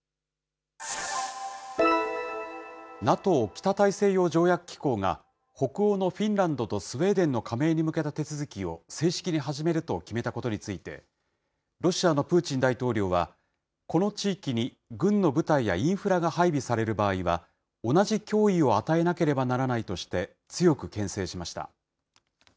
ＮＡＴＯ・北大西洋条約機構が北欧のフィンランドとスウェーデンの加盟に向けた手続きを、正式に始めると決めたことについて、ロシアのプーチン大統領は、この地域に軍の部隊やインフラが配備される場合は同じ脅威を与えなければならないとして、強くけん制しました。